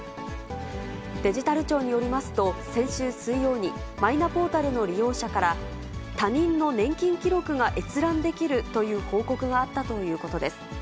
デジタル庁によりますと、先週水曜に、マイナポータルの利用者から、他人の年金記録が閲覧できるという報告があったということです。